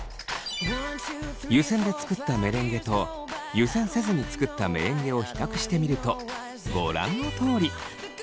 湯せんで作ったメレンゲと湯せんせずに作ったメレンゲを比較してみるとご覧のとおり。